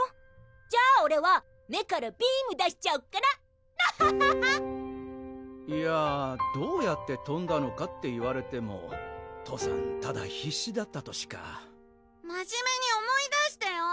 ・・じゃあオレは目からビーム出しちゃお・ナハハハ・いやどうやってとんだのかって言われても父さんただ必死だったとしか真面目に思い出してよ！